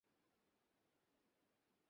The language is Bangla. কি জিজ্ঞাসা করছিলো?